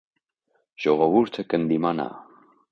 Ժողովուրդը կ՝ ընդդիմանայ։